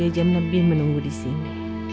aku sudah tiga jam lebih menunggu disini